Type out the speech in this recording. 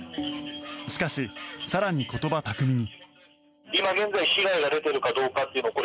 しかし、更に言葉巧みに。